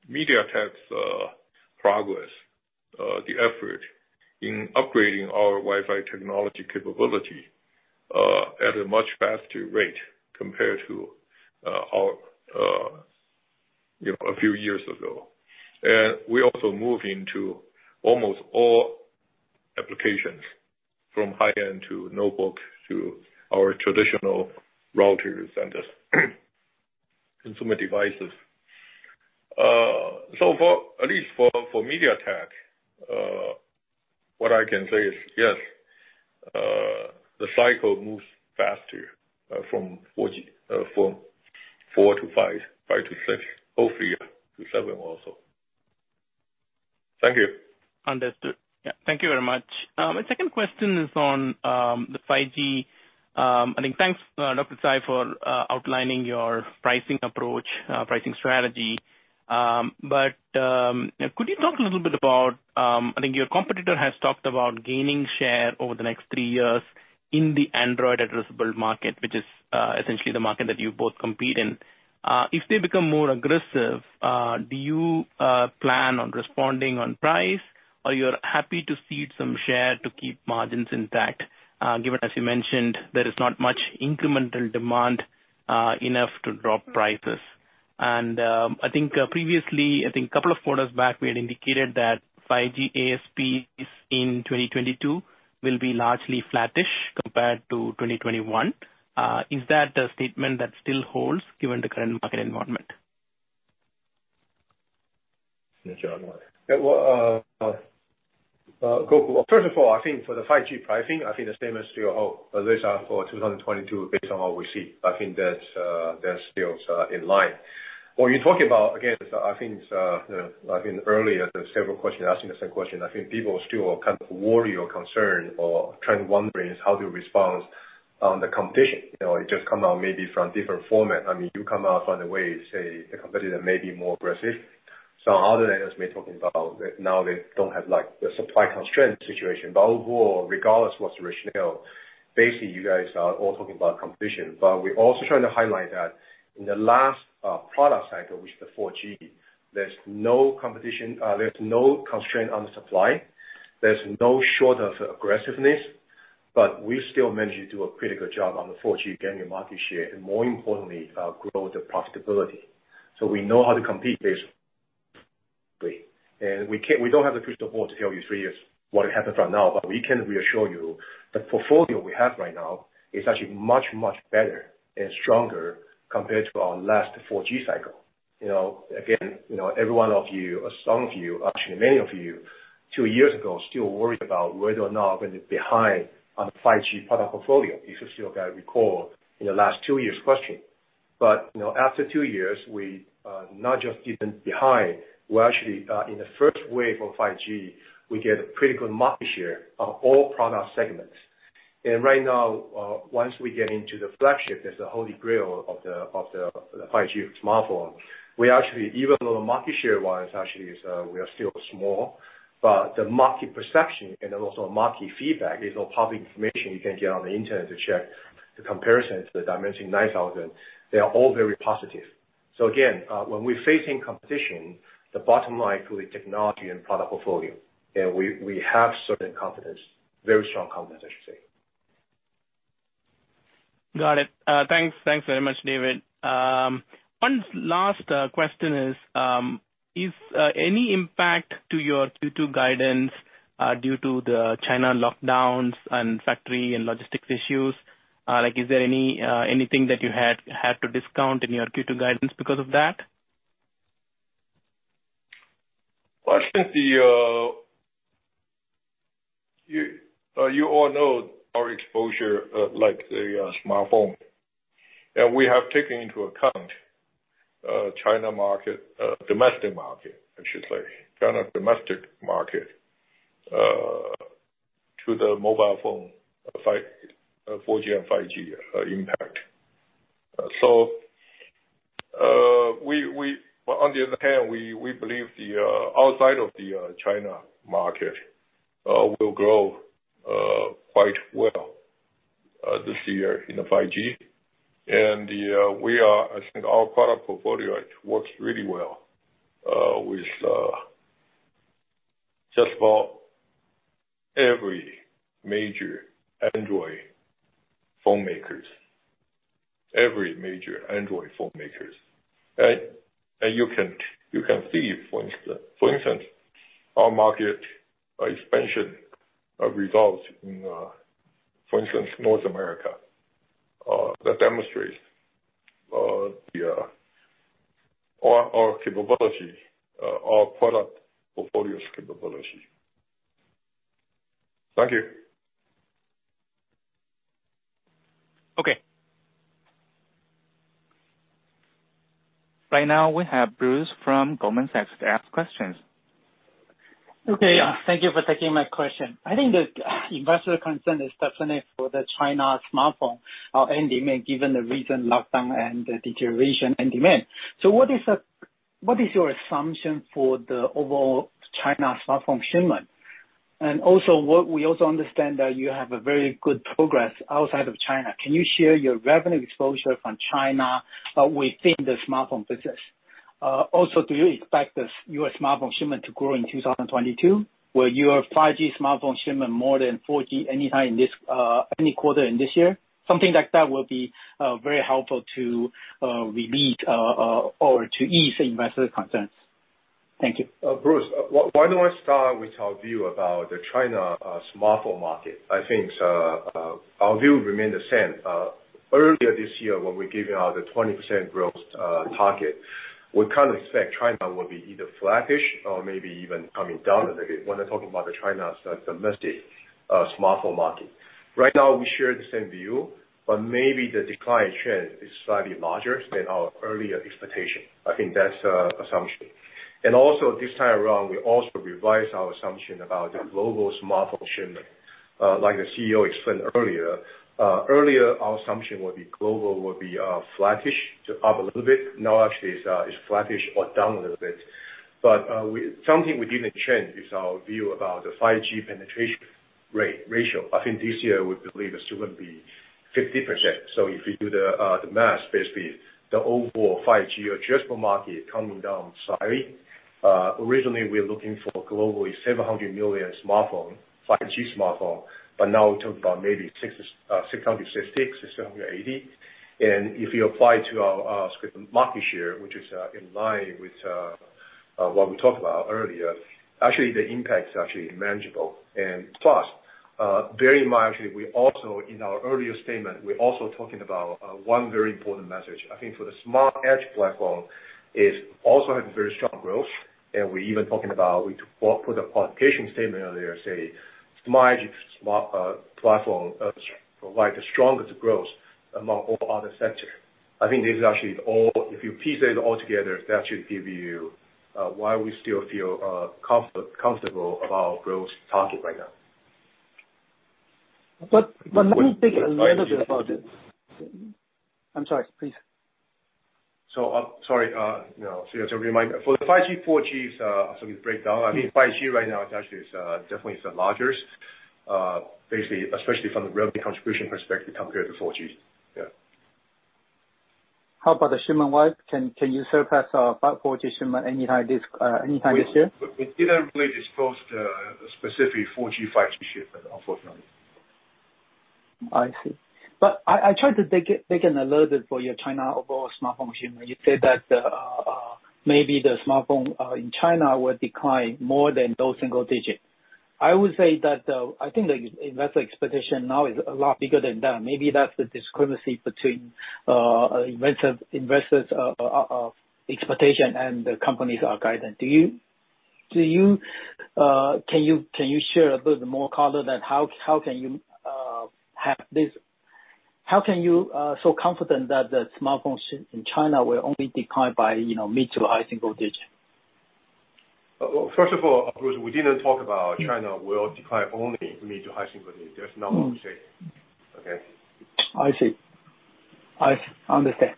MediaTek's progress, the effort in upgrading our Wi-Fi technology capability, at a much faster rate compared to our, you know, a few years ago. We also move into almost all applications from high-end to notebook to our traditional router centers, consumer devices. So for MediaTek, what I can say is, yes, the cycle moves faster from 4G, from 4 to 5 to 6, hopefully to 7 also. Thank you. Understood. Yeah. Thank you very much. My second question is on the 5G. I think thanks, Dr. Tsai, for outlining your pricing approach, pricing strategy. Could you talk a little bit about, I think your competitor has talked about gaining share over the next three years in the Android addressable market, which is essentially the market that you both compete in. If they become more aggressive, do you plan on responding on price or you're happy to cede some share to keep margins intact? Given, as you mentioned, there is not much incremental demand enough to drop prices. I think previously, a couple of quarters back, we had indicated that 5G ASPs in 2022 will be largely flattish compared to 2021. Is that a statement that still holds given the current market environment? Yeah. Well, Gokul, first of all, I think for the 5G pricing, I think the same as you hope those are for 2022 based on what we see. I think that's still, in line. When you talk about again, I think earlier several questions asking the same question. I think people still kind of worry or concerned or trying to wondering is how to respond on the competition. You know, it just come out maybe from different format. I mean, you come out find a way say the competitor may be more aggressive. Some other analysts may talking about now they don't have, like, the supply constraint situation. Overall, regardless what's the rationale, basically you guys are all talking about competition. We're also trying to highlight that in the last product cycle, which is the 4G, there's no competition, there's no constraint on the supply, there's no shortage of aggressiveness, but we still managed to do a pretty good job on the 4G gaining market share and more importantly, grow the profitability. We know how to compete basically. We don't have a crystal ball to tell you three years what happens right now, but we can reassure you the portfolio we have right now is actually much, much better and stronger compared to our last 4G cycle. You know, again, you know, every one of you or some of you, actually many of you two years ago, still worried about whether or not we're behind on the 5G product portfolio. If you still recall the last two years question. You know, after two years, we're actually in the first wave of 5G. We get a pretty good market share of all product segments. Right now, once we get into the flagship, there's a holy grail of the 5G smartphone. We actually, even though the market share wise actually is, we are still small, but the market perception and also market feedback is all public information you can get on the internet to check the comparisons, the Dimensity 9000, they are all very positive. Again, when we're facing competition, the bottom line to the technology and product portfolio, and we have certain confidence, very strong confidence, I should say. Got it. Thanks. Thanks very much, David. One last question is any impact to your Q2 guidance due to the China lockdowns and factory and logistics issues? Like, is there anything that you had to discount in your Q2 guidance because of that? Well, I think you all know our exposure, like the smartphone. We have taken into account China market, domestic market, I should say, China domestic market, to the mobile phone, 4G and 5G impact. On the other hand, we believe the outside of the China market will grow quite well this year in the 5G. I think our product portfolio works really well with just about every major Android phone makers. You can see, for instance, our market expansion results in, for instance, North America, that demonstrates our capability, our product portfolio's capability. Thank you. Okay. Right now we have Bruce from Goldman Sachs to ask questions. Okay. Thank you for taking my question. I think the investor concern is definitely for the China smartphone end demand, given the recent lockdown and the deterioration in demand. What is your assumption for the overall China smartphone shipment? We also understand that you have a very good progress outside of China. Can you share your revenue exposure from China, but within the smartphone business? Also, do you expect the US smartphone shipment to grow in 2022? Will your 5G smartphone shipment more than 4G anytime this any quarter in this year? Something like that will be very helpful to relieve or to ease investors' concerns. Thank you. Bruce, why don't I start with our view about the China smartphone market. I think, so, our view remain the same. Earlier this year when we gave you our the 20% growth target, we kind of expect China will be either flattish or maybe even coming down a little bit when we're talking about the Chinese domestic smartphone market. Right now we share the same view, but maybe the decline trend is slightly larger than our earlier expectation. I think that's our assumption. Also this time around, we also revised our assumption about the global smartphone shipment. Like the CEO explained earlier our assumption will be global flattish to up a little bit. Now actually it's flattish or down a little bit. We... Something we didn't change is our view about the 5G penetration rate ratio. I think this year we believe it's going to be 50%. If you do the math, basically the overall 5G addressable market coming down slightly. Originally, we're looking for globally 700 million 5G smartphones, but now we're talking about maybe 660-680. If you apply to our shipment market share, which is in line with what we talked about earlier, actually the impact is actually manageable. Plus, very much we also, in our earlier statement, we're also talking about one very important message. I think for the Smart Edge Platform is also having very strong growth. We're even talking about we put a qualification statement earlier, say, Smart Edge smart platform provide the strongest growth among all other sector. I think this is actually all, if you piece it all together, that should give you why we still feel comfortable about growth target right now. Let me dig a little bit about it. I'm sorry. Please. You know, as a reminder, for the 5G, 4G breakdown. I mean, 5G right now is actually definitely the largest, basically especially from the revenue contribution perspective compared to 4G. Yeah. How about the shipment wide? Can you surpass 4G shipment anytime this year? We didn't really disclose the specific 4G, 5G shipment, unfortunately. I see. I tried to dig in a little bit for your China overall smartphone shipment. You said that maybe the smartphone in China will decline more than low single digits. I would say that I think the investor expectation now is a lot bigger than that. Maybe that's the discrepancy between investors' expectation and the company's guidance. Can you share a bit more color on how you can have this? How can you be so confident that the smartphones in China will only decline by, you know, mid-to-high single digits? Well, first of all, Bruce, we didn't talk about China will decline only mid-to-high single digit. That's not what we say. Okay? I see. I understand.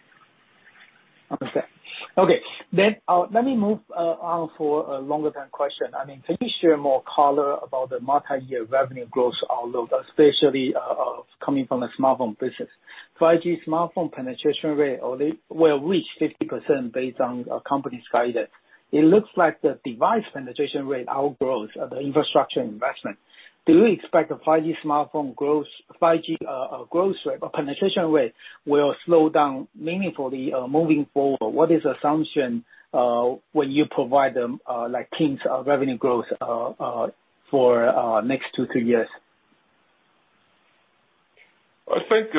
Okay. Let me move on to a longer term question. I mean, can you share more color about the multi-year revenue growth outlook, especially coming from the smartphone business? 5G smartphone penetration rate only will reach 50% based on company's guidance. It looks like the device penetration rate outgrows the infrastructure investment. Do you expect the 5G smartphone growth rate or penetration rate will slow down meaningfully moving forward? What is the assumption when you provide them like teens revenue growth for next two, three years? I think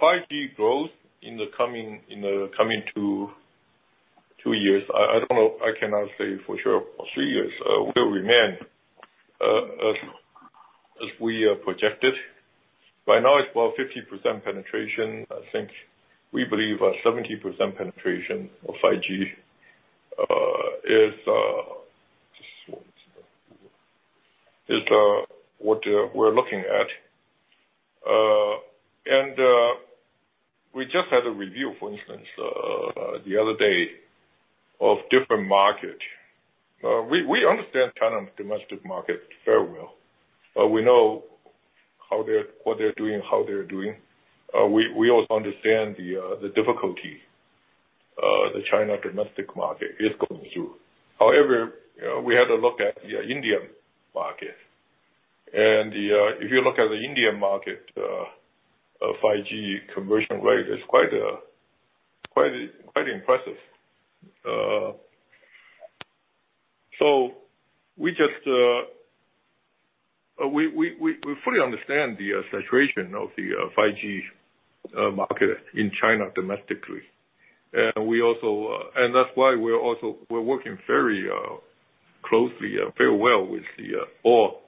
5G growth in the coming two years. I don't know, I cannot say for sure for three years, will remain as we are projected. Right now it's about 50% penetration. I think we believe 70% penetration of 5G is what we're looking at. We just had a review, for instance, the other day of different market. We understand China's domestic market very well. We know what they're doing, how they're doing. We also understand the difficulty the China domestic market is going through. However, you know, we had a look at the Indian market. If you look at the Indian market, 5G conversion rate is quite impressive. We fully understand the situation of the 5G market in China domestically. That's why we're working very closely and very well with all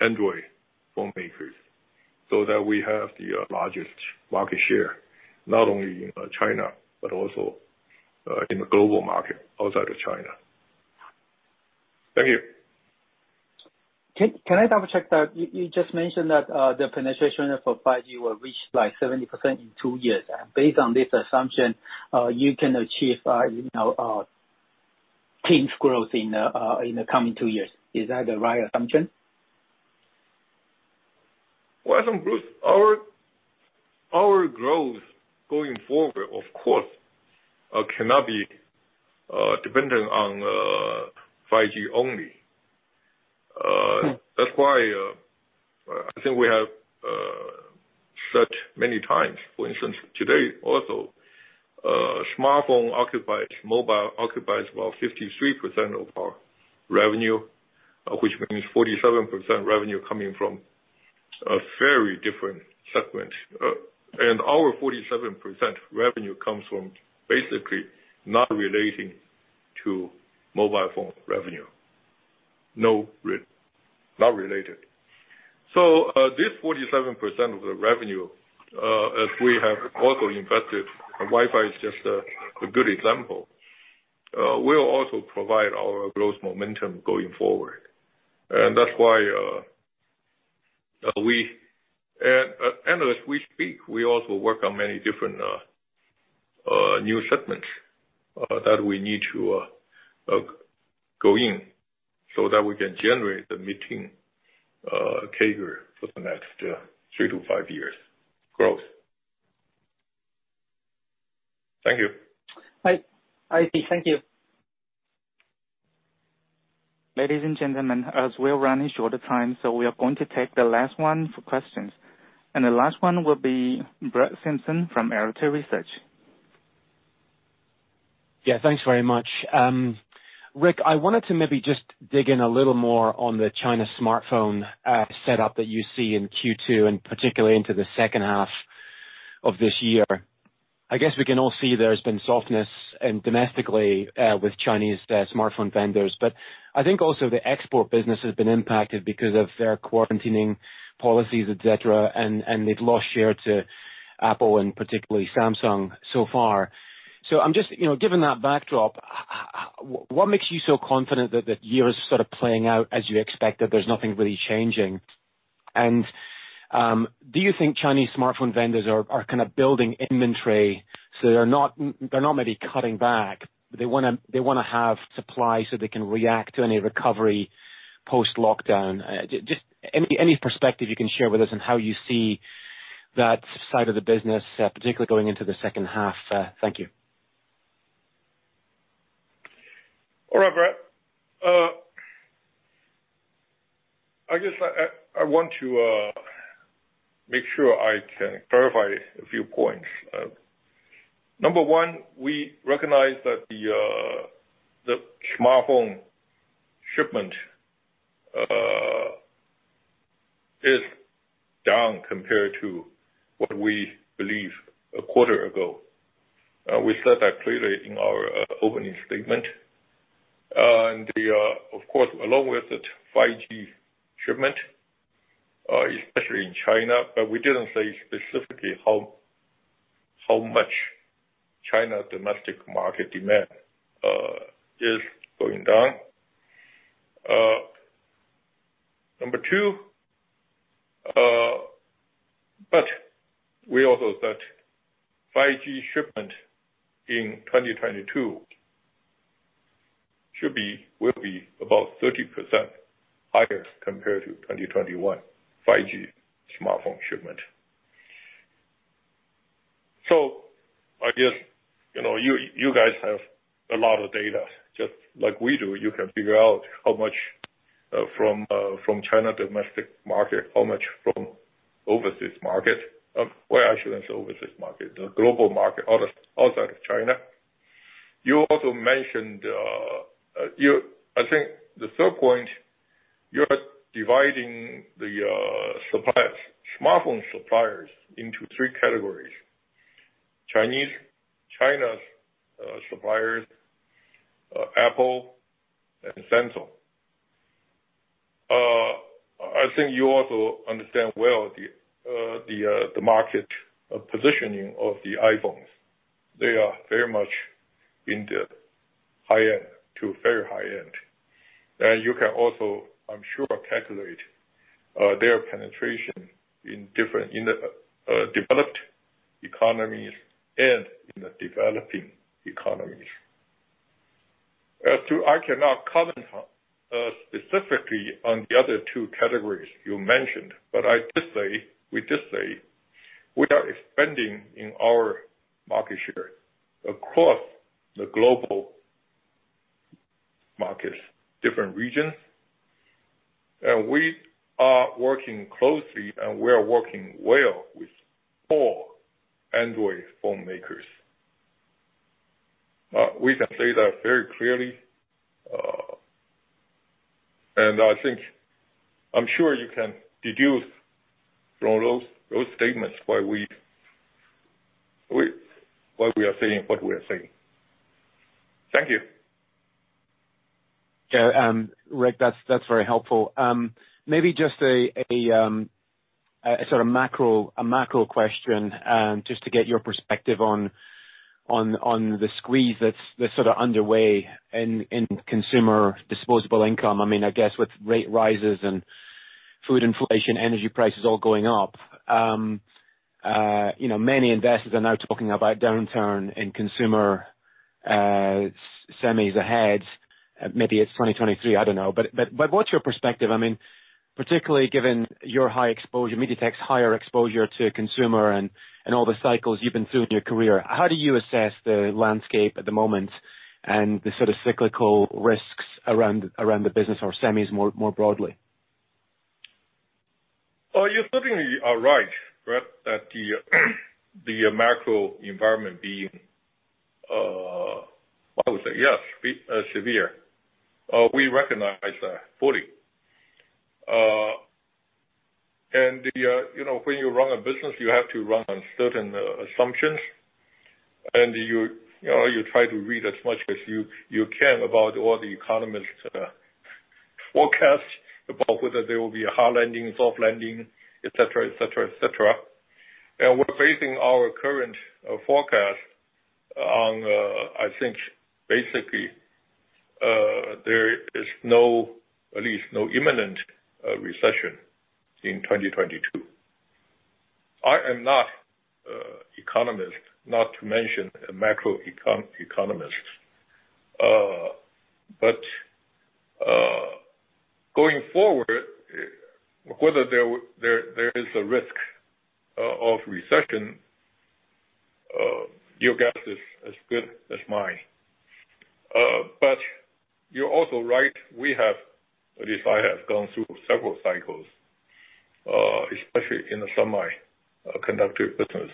Android phone makers so that we have the largest market share, not only in China but also in the global market outside of China. Thank you. Can I double-check that? You just mentioned that the penetration for 5G will reach like 70% in two years. Based on this assumption, you can achieve, you know, teens growth in the coming two years. Is that the right assumption? Well, some growth. Our growth going forward, of course, cannot be dependent on 5G only. That's why I think we have said many times, for instance, today also, smartphone occupies about 53% of our revenue, which means 47% revenue coming from a very different segment. Our 47% revenue comes from basically not related to mobile phone revenue. This 47% of the revenue, as we have also invested, and Wi-Fi is just a good example, will also provide our growth momentum going forward. That's why we also work on many different new segments that we need to go in so that we can generate meaningful CAGR for the next three-five years growth. Thank you. I see. Thank you. Ladies and gentlemen, as we are running short of time, so we are going to take the last one for questions. The last one will be Brett Simpson from Arete Research. Yeah, thanks very much. Rick, I wanted to maybe just dig in a little more on the China smartphone setup that you see in Q2 and particularly into the second half of this year. I guess we can all see there's been softness domestically with Chinese smartphone vendors. I think also the export business has been impacted because of their quarantining policies, et cetera, and they've lost share to Apple and particularly Samsung so far. I'm just, you know, given that backdrop, what makes you so confident that year is sort of playing out as you expected, there's nothing really changing? Do you think Chinese smartphone vendors are kinda building inventory, so they're not maybe cutting back, but they wanna have supply so they can react to any recovery post-lockdown? Just any perspective you can share with us on how you see that side of the business, particularly going into the second half. Thank you. All right, Brett. I guess I want to make sure I can clarify a few points. Number one, we recognize that the smartphone shipment is down compared to what we believe a quarter ago. We said that clearly in our opening statement. Of course, along with the 5G shipment, especially in China, but we didn't say specifically how much China domestic market demand is going down. Number two, we also said 5G shipment in 2022 should be, will be about 30% higher compared to 2021 5G smartphone shipment. I guess, you know, you guys have a lot of data. Just like we do, you can figure out how much from China domestic market, how much from overseas market. Well, I shouldn't say overseas market, the global market outside of China. You also mentioned, I think the third point, you're dividing the suppliers, smartphone suppliers into three categories: Chinese suppliers, Apple, and Samsung. I think you also understand well the market positioning of the iPhones. They are very much in the high-end to very high-end. You can also, I'm sure, calculate their penetration in different, in the developed economies and in the developing economies. As to, I cannot comment on specifically on the other two categories you mentioned, but we just say we are expanding in our market share across the global markets, different regions. We are working closely, and we are working well with all Android phone makers. We can say that very clearly. I think, I'm sure you can deduce from those statements why we are saying what we are saying. Thank you. Yeah. Rick, that's very helpful. Maybe just a sort of macro question, just to get your perspective on the squeeze that's sort of underway in consumer disposable income. I mean, I guess with rate rises and food inflation, energy prices all going up, you know, many investors are now talking about downturn in consumer semis ahead. Maybe it's 2023, I don't know. What's your perspective? I mean, particularly given your high exposure, MediaTek's higher exposure to consumer and all the cycles you've been through in your career. How do you assess the landscape at the moment and the sort of cyclical risks around the business or semis more broadly? Oh, you certainly are right, Brett, that the macro environment being severe. We recognize that fully. You know, when you run a business, you have to run on certain assumptions. You know, you try to read as much as you can about all the economists' forecasts about whether there will be a hard landing, soft landing, et cetera, et cetera, et cetera. We're basing our current forecast on, I think basically, there is no imminent recession in 2022, at least. I am not an economist, not to mention a macro economist, but going forward, whether there is a risk of recession, your guess is as good as mine. You're also right, we have, at least I have gone through several cycles, especially in the semiconductor business.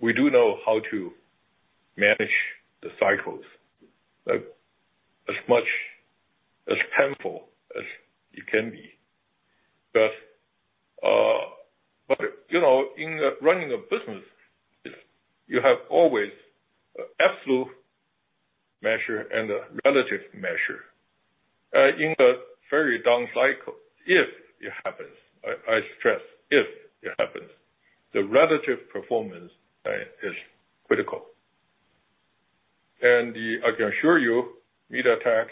We do know how to manage the cycles, like, as painful as it can be. You know, in running a business, you have always absolute measure and a relative measure. In a very down cycle, if it happens, I stress if it happens, the relative performance is critical. I can assure you, MediaTek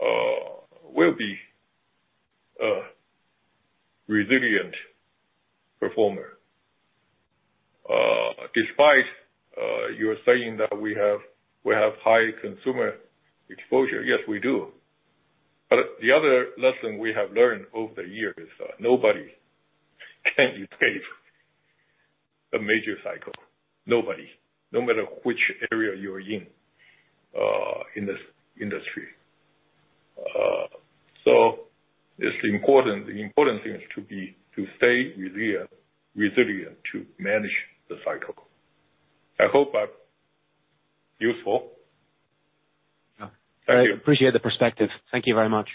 will be a resilient performer, despite your saying that we have high consumer exposure. Yes, we do. The other lesson we have learned over the years, nobody can escape a major cycle. Nobody, no matter which area you're in this industry. It's important, the important thing is to be, to stay resilient to manage the cycle. I hope I'm useful. Yeah. Thank you. I appreciate the perspective. Thank you very much.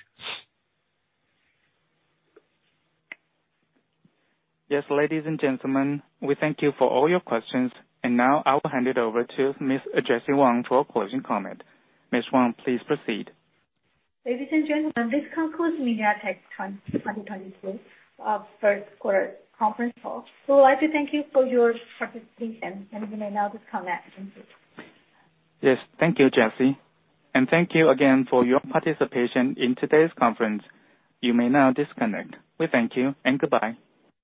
Yes, ladies and gentlemen, we thank you for all your questions. Now I will hand it over to Miss Jessie Wang for a closing comment. Miss Wang, please proceed. Ladies and gentlemen, this concludes MediaTek's 2022 first quarter conference call. We would like to thank you for your participation, and you may now disconnect. Thank you. Yes. Thank you, Jessie. Thank you again for your participation in today's conference. You may now disconnect. We thank you, and goodbye.